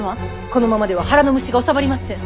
このままでは腹の虫がおさまりません。